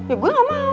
ya gue gak mau